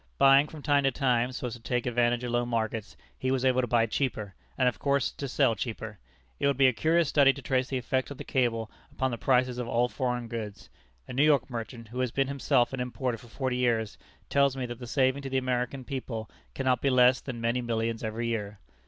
Buying from time to time, so as to take advantage of low markets, he was able to buy cheaper, and of course to sell cheaper. It would be a curious study to trace the effect of the cable upon the prices of all foreign goods. A New York merchant, who has been himself an importer for forty years, tells me that the saving to the American people cannot be less than many millions every year.